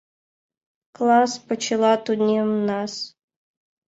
Класс почела тунемнас.